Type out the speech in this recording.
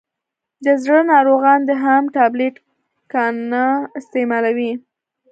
دزړه ناروغان دي هم ټابلیټ کا نه استعمالوي.